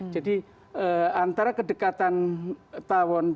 jadi antara kedekatan tawon dan tawon ini